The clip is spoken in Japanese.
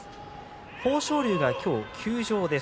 豊昇龍が今日休場です。